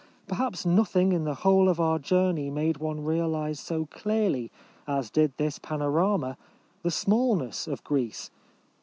Perhaps nothing in the whole of our journey made one realise so clearly, as did this panorama, the smallness of Greece.